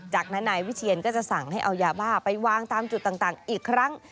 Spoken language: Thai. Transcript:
จากนั้นนายวิเชียนก็จะสั่งให้เอายาบ้าไปวางตามจุดต่างอีกครั้ง